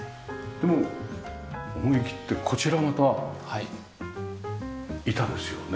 でもう思いきってこちらまた板ですよね？